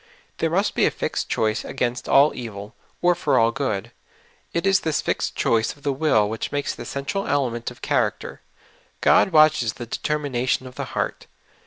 There must be a fixed choice against all evil, or for all good. It is this fixed choice of the will w^hicli makes the central element of char acter. God watches the determination of the heart.